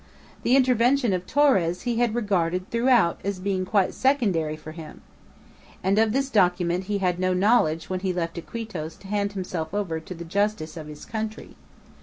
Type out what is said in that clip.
The intervention of Torres he had regarded throughout as being quite secondary for him. And of this document he had no knowledge when he left Iquitos to hand himself over to the justice of his country.